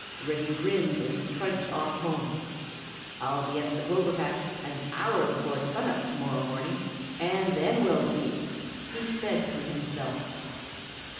Reddy grinned as he trudged off home. "I'll just be at the clover patch an hour before sun up to morrow morning, and then we'll see!" he said to himself.